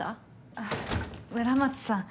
あっ村松さん